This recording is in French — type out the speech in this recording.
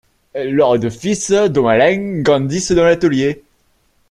Leur deux fils, dont Alain, grandissent dans l'atelier.